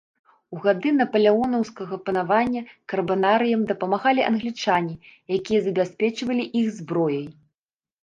У гады напалеонаўскага панавання карбанарыям дапамагалі англічане, якія забяспечвалі іх зброяй.